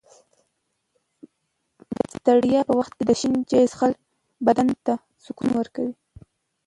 د ستړیا په وخت کې د شین چای څښل بدن ته سکون ورکوي.